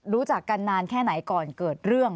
รู้จักกันนานแค่ไหนก่อนเกิดเรื่อง